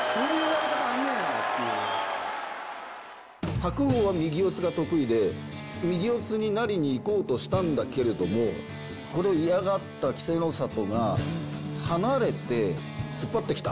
白鵬は右四つが得意で、右四つになりにいこうとしたんだけれども、これを嫌がった稀勢の里が離れて、突っ張ってきた。